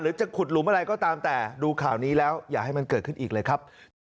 จะขุดหลุมอะไรก็ตามแต่ดูข่าวนี้แล้วอย่าให้มันเกิดขึ้นอีกเลยครับ